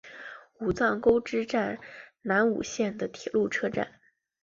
武藏沟之口站南武线的铁路车站。